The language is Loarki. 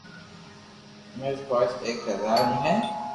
مير ئوخاس مي ايڪ بزار هي